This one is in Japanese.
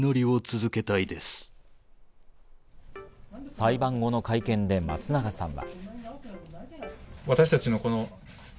裁判後の会見で松永さんは。